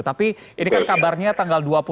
tapi ini kan kabarnya tanggal dua puluh